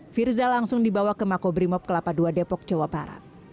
firza langsung dibawa ke makobrimob kelapa ii depok jawa barat